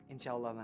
insya allah ma